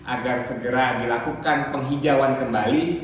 agar segera dilakukan penghijauan kembali